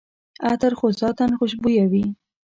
عطر خو ذاتاً خوشبویه وي.